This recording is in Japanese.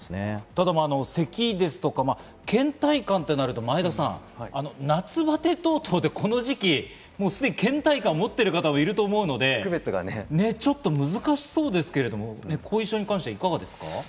ただ咳ですとか倦怠感となると、前田さん、夏バテ等々ですでに倦怠感をもってる方もいると思うので、ちょっと難しそうですけど、後遺症に関してはいかがですか？